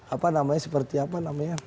apa namanya seperti apa namanya